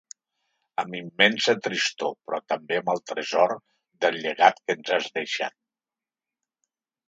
Amb immensa tristor però també amb el tresor del llegat que ens has deixat.